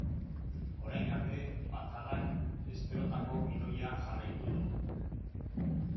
Orain arte, batzarrak esperotako gidoia jarraitu du.